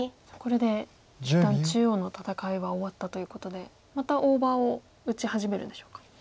さあこれで一旦中央の戦いは終わったということでまた大場を打ち始めるんでしょうか。